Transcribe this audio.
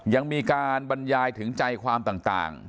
ยังมีการบรรยายถึงใจความต่าง